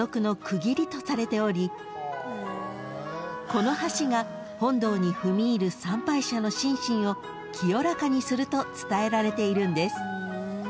［この橋が本堂に踏み入る参拝者の心身を清らかにすると伝えられているんです］